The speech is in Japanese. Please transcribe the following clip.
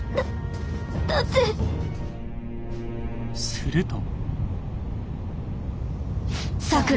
すると。